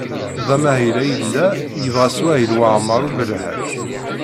D amahil ay yella yebɣa Smawil Waɛmaṛ U Belḥaǧ.